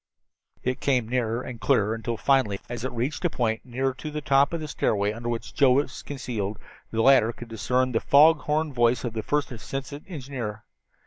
It came nearer and clearer until finally, as it reached a point near to the top of the stairway under which Joe was concealed, the latter could discern the fog horn voice of the first assistant engineer.